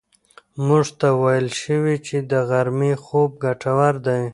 موږ ته ویل شوي چې د غرمې خوب ګټور دی.